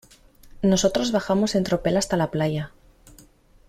nosotros bajamos en tropel hasta la playa.